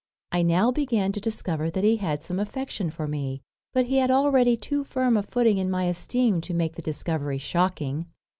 I now began to discover that he had some affection for me, but he had already too firm a footing in my esteem to make the discovery shocking.